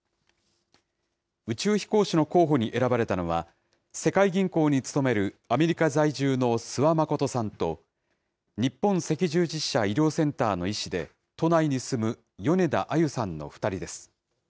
宇宙飛行士の候補に選ばれたのは、世界銀行に勤めるアメリカ在住の諏訪理さんと、日本赤十字社医療センターの医師で、都内に住む米田あゆさんの２人です。